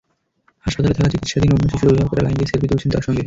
হাসপাতালে থাকা চিকিৎসাধীন অন্য শিশুর অভিভাবকেরা লাইন দিয়ে সেলফি তুলছেন তার সঙ্গে।